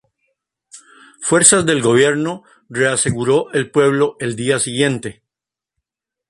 Fuerzas del gobierno re-aseguró el pueblo el día siguiente.